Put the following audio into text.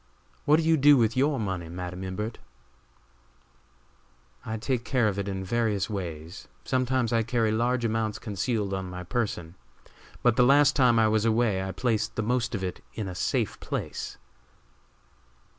What do you do with your money, Madam Imbert?" "I take care of it in various ways. Sometimes I carry large amounts concealed on my person; but the last time I was away I placed the most of it in a safe place."